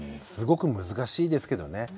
すごく難しいですけどね。